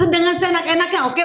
dengan senak senaknya oke